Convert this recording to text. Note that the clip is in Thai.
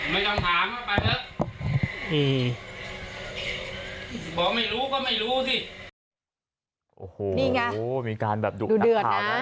ไม่ต้องถามก็ไปแล้วนี่บอกไม่รู้ก็ไม่รู้สิโอ้โหนี่ไงโอ้มีการแบบดุดันข่าวนะ